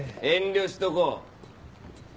遠慮しとこう。